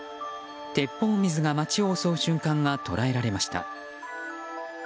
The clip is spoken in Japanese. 鉄砲水が街を襲う瞬間が捉えられました。